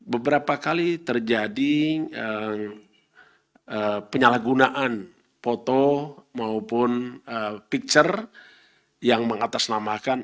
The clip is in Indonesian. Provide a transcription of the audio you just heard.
beberapa kali terjadi penyalahgunaan foto maupun picture yang mengatasnamakan